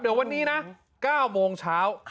เดี๋ยววันนี้นะ๙โมงเช้า